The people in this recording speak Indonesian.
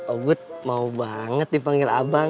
oh gue mau banget dipanggil abang